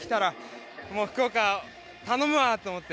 福岡、頼むわ！と思って。